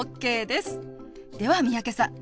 では三宅さん